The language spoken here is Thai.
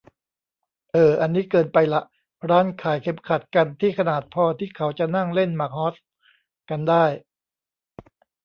เอ่อ อันนี้เกินไปละ ร้านขายเข็มขัดกันที่ขนาดพอที่เขาจะนั่งเล่นหมากฮอสกันได้